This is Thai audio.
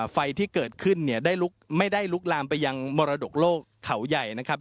ไฟที่เกิดขึ้นเนี่ยได้ไม่ได้ลุกลามไปยังมรดกโลกเขาใหญ่นะครับ